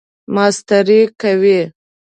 ماسټری کوئ؟